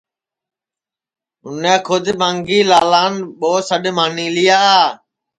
اُنے کھود مانگھی لالان ٻو سڈؔ مانی لیا